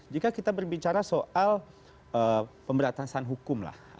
jika kita berbicara soal pemberantasan hukum lah